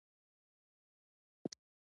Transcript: رنګ بدلول د دفاع یوه لاره ده